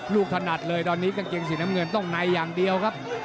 ถนัดเลยตอนนี้กางเกงสีน้ำเงินต้องในอย่างเดียวครับ